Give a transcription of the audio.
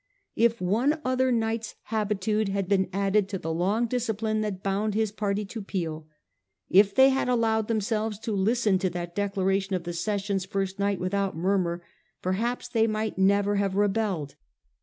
If one other night's habitude had been added to the long discipline that bound his party to Peel ; if they had allowed themselves to listen to that declaration of the session's first night without murmur, perhaps they might never have rebelled.